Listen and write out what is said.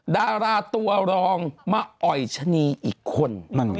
ดาราตัวรองมาอ่อยชะนีอีกคน